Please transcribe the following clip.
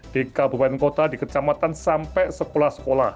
di kabupaten kota di kecamatan sampai sekolah sekolah